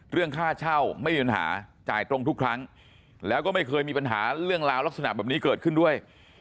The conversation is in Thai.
เรื่องค่าเช่าไม่มีปัญหาจ่ายตรงทุกครั้งแล้วก็ไม่เคยมีปัญหาเรื่องราวลักษณะแบบนี้เกิดขึ้นด้วย